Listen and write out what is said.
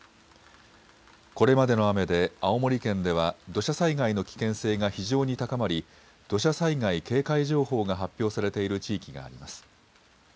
これまでの雨で青森県では土砂災害の危険性が非常に高まり土砂災害警戒情報が発表されている地域があります。